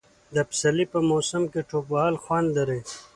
د پسرلي په موسم کې ټوپ وهل خوند لري.